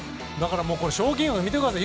賞金額を見てください。